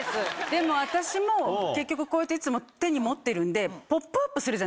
でも私も結局こうやっていつも手に持ってるんで。